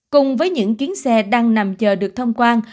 cùng với những kiến xe đang nằm chờ được thông quan